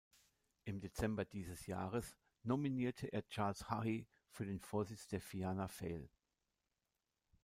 Im Dezember dieses Jahres nominierte er Charles Haughey für den Vorsitz der Fianna Fáil.